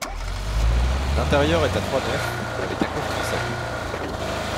L'intérieur est à trois nefs, avec un court transept.